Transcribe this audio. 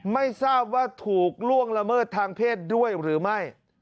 ไม่ทราบว่าถูกล่วงละเมิดทางเพศด้วยหรือไม่